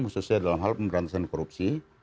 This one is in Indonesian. khususnya dalam hal pemberantasan korupsi